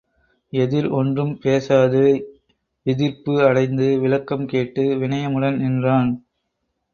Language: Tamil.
எதிர் ஒன்றும் பேசாது விதிர்ப்பு அடைந்து விளக்கம் கேட்டு வினயமுடன் நின்றான்.